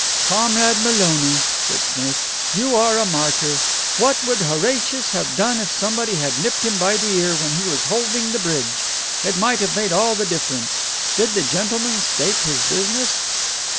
"Comrade Maloney," said Smith, "you are a martyr. What would Horatius have done if somebody had nipped him by the ear when he was holding the bridge? It might have made all the difference. Did the gentleman state his business?"